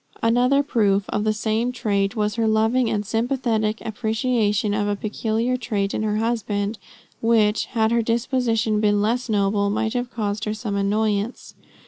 Another proof of the same trait, was her loving and sympathetic appreciation of a peculiar trait in her husband, which, had her disposition been less noble, might have caused her some annoyance.